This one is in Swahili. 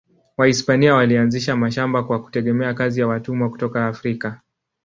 Wahispania walianzisha mashamba kwa kutegemea kazi ya watumwa kutoka Afrika.